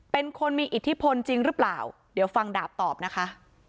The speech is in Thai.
เป็นคนมีอิทธิพลจริงหรือเปล่าเดี๋ยวฟังดาบตอบนะคะ